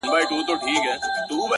د سر قاتل پخلا کومه مصلحت کومه!